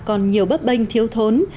còn nhiều bấp bênh thiếu thốn